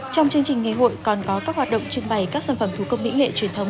trong chương trình ngày hội còn có các hoạt động trưng bày các sản phẩm thủ công mỹ nghệ truyền thống